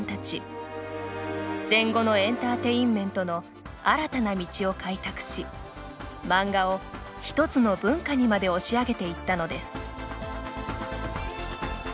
戦後のエンターテインメントの新たな道を開拓し漫画を１つの文化にまで押し上げていったのです。